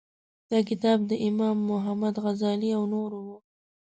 دا کتاب د امام محمد غزالي او نورو و.